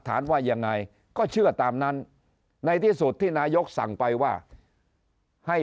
ว่ายังไงก็เชื่อตามนั้นในที่สุดที่นายกสั่งไปว่าให้